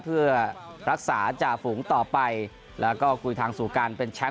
เพื่อรักษาจ่าฝูงต่อไปแล้วก็คุยทางสู่การเป็นแชมป์